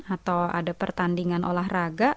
atau ada pertandingan olahraga